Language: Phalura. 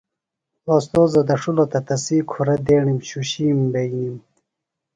اوستوذہ دڇھلوۡ تہ تسی کُھرہ دیݨِم شُشِیم بئینِم۔